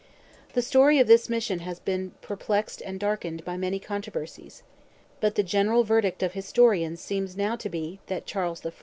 The story of this mission has been perplexed and darkened by many controversies. But the general verdict of historians seems now to be, that Charles I.